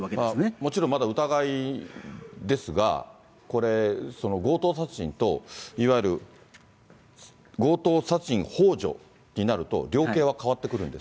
もちろんまだ疑いですが、これ、強盗殺人と、いわゆる、強盗殺人ほう助になると、量刑は変わってくるんですか。